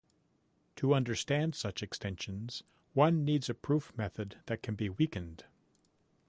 To understand such extensions, one needs a proof method that can be weakened.